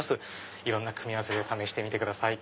いろんな組み合わせで試してみてください。